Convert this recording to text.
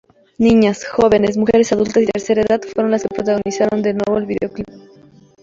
Niñas, jóvenes, mujeres adultas y tercera edad fueron las protagonistas del nuevo video clip.